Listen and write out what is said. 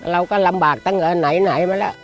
เราก็ลำบากตั้งแต่ไหนมาแล้ว